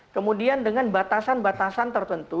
kemudian dengan batasan batasan tertentu